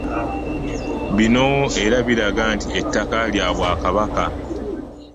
Bino era biraga nti ettaka lya Bwakabaka